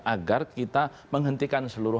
agar kita menghentikan seluruh